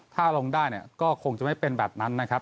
ถ้าลงได้เนี่ยก็คงจะไม่เป็นแบบนั้นนะครับ